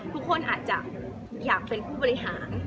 ทุกคนอาจจะอยากเป็นผู้บริหาร